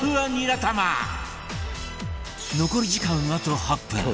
残り時間あと８分